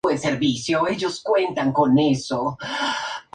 Luego ambas lecturas se integran.